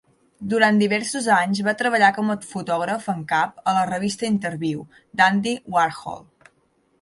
Durant diversos anys, va treballar com a fotògraf en cap a la revista Interview d'Andy Warhol.